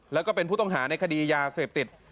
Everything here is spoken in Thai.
แล้วก็เป็นผู้ต้องหาในคดียาเสพติด